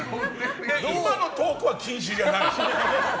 今のトークは禁止ではない。